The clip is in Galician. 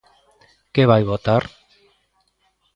Que vai votar?